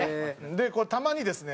でこれたまにですね